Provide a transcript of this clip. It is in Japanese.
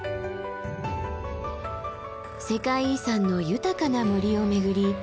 世界遺産の豊かな森を巡り